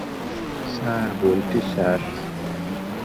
Sir, বলছি sir.